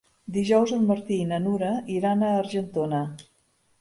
Dijous en Martí i na Nura iran a Argentona.